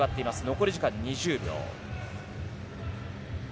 残り時間２０秒。